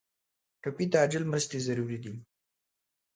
ټپي ته عاجل مرستې ضروري دي.